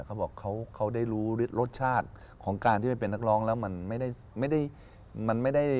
เขาบอกเขาได้รู้รสชาติของการที่ไปเป็นนักร้องแล้วมันไม่ได้ไม่ได้มันไม่ได้